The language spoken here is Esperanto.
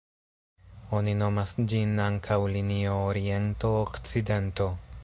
Oni nomas ĝin ankaŭ linio oriento-okcidento.